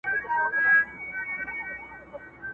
دوی مو د کلي د ډیوې اثر په کاڼو ولي؛